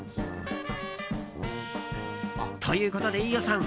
ということで、飯尾さん